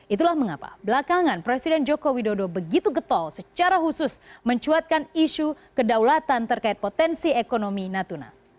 itulah mengapa belakangan presiden joko widodo begitu getol secara khusus mencuatkan isu kedaulatan terkait potensi ekonomi natuna